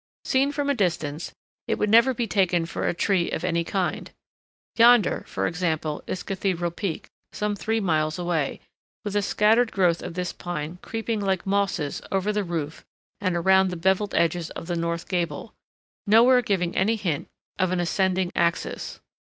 Seen from a distance, it would never be taken for a tree of any kind. Yonder, for example, is Cathedral Peak, some three miles away, with a scattered growth of this pine creeping like mosses over the roof and around the beveled edges of the north gable, nowhere giving any hint of an ascending axis.